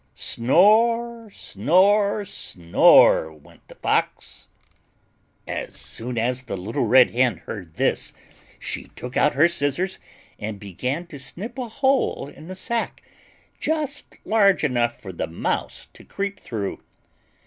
Snore, snore, snore, went the Fox. As soon as the little Red Hen heard this, she took out her scissors, and began to snip a hole in the sack, just large enough for the Mouse to creep through.